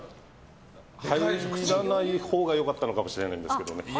入らないほうがよかったのかもしれないんですけどね。